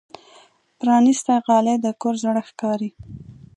پرانستې غالۍ د کور زړه ښکاري.